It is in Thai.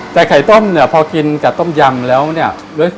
แต่ไข่ต้มเนี่ยพอกินกับต้มยำแล้วเนี่ย